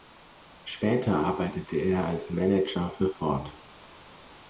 Später arbeitete er als Manager für Ford.